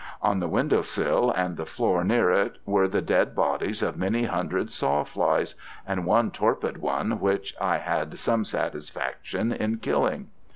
On the window sill and the floor near it were the dead bodies of many hundred sawflies, and one torpid one which I had some satisfaction in killing.